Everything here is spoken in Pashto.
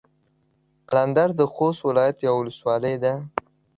قلندر د خوست ولايت يوه ولسوالي ده.